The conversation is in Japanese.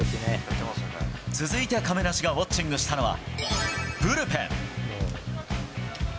続いて亀梨がウォッチングしたのはブルペン。